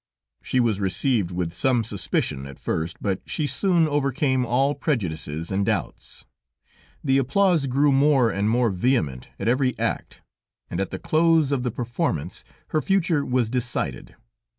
She was received with some suspicion at first, but she soon overcame all prejudices and doubts; the applause grew more and more vehement at every act, and at the close of the performance, her future was decided.